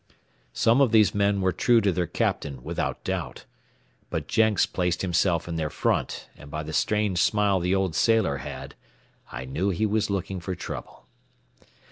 Some of these men were true to their captain without doubt; but Jenks placed himself in their front, and by the strange smile the old sailor had, I knew he was looking for trouble.